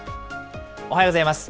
おはようございます。